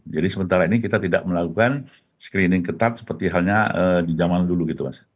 jadi sementara ini kita tidak melakukan screening ketat seperti halnya di zaman dulu gitu mas